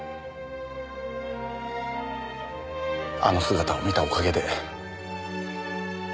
あの姿を見たおかげで。